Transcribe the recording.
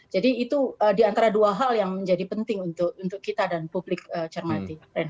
jadi itu di antara dua hal yang menjadi penting untuk kita dan publik cermati